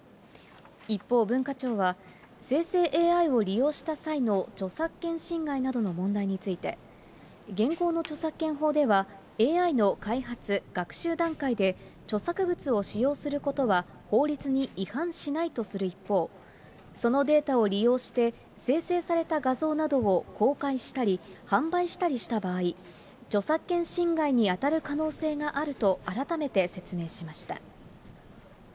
一方、文化庁は生成ＡＩを利用した際の著作権侵害などの問題について、現行の著作権法ではＡＩの開発・学習段階で著作物を使用することは法律に違反しないとする一方、そのデータを利用して生成された画像などを公開したり販売したりした場合、著作権侵害に当たる可能性があると改めて説明しました。